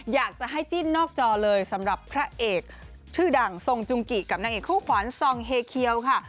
อยากจะให้จิ้นนอกจอเลยสำหรับพระเอกชื่อดังทรงจุงกิกับนางเอกคู่ขวัญซองเฮเคียวค่ะ